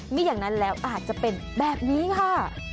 ไม่อย่างนั้นแล้วอาจจะเป็นแบบนี้ค่ะ